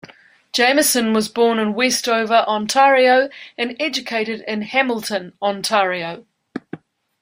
Jamieson was born in Westover, Ontario and educated in Hamilton, Ontario.